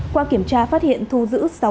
qua kiểm tra phát hiện thu giữ